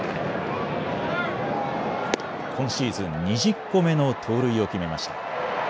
今シーズン２０個目の盗塁を決めました。